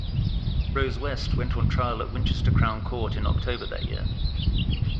Rose West went on trial at Winchester Crown Court in October that year.